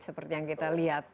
seperti yang kita lihat